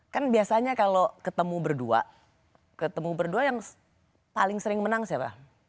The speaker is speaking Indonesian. kan biasanya kalau ketemu berdua ketemu berdua yang paling sering menang siapa